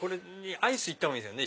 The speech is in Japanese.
アイス行ったほうがいいですね。